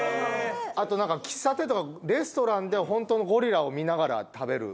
あとなんか喫茶店とかレストランでは本当のゴリラを見ながら食べる。